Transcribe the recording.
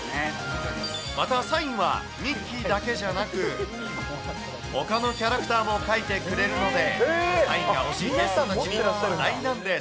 またサインはミッキーだけじゃなく、ほかのキャラクターも書いてくれるので、サインが欲しいゲストたちに話題なんです。